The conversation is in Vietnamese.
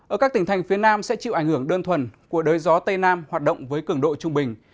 ở các tỉnh thành phía nam sẽ chịu ảnh hưởng đơn thuần của đới gió tây nam hoạt động với cường độ trung bình